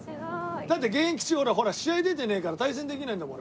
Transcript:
だって現役中ほら試合出てねえから対戦できないんだもん